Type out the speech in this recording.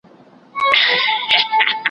ما د سبا لپاره د ليکلو تمرين کړی دی!؟